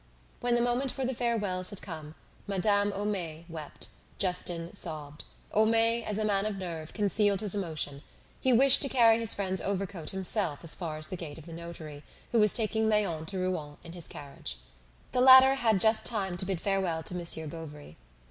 When the moment for the farewells had come, Madame Homais wept, Justin sobbed; Homais, as a man of nerve, concealed his emotion; he wished to carry his friend's overcoat himself as far as the gate of the notary, who was taking Léon to Rouen in his carriage. The latter had just time to bid farewell to Monsieur Bovary.